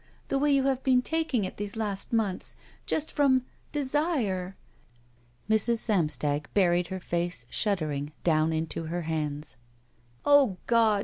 The way you have been taking it these last months. Just frx)m — desire." Mrs. Samstag buried her face, shuddering, down into her hands. O God!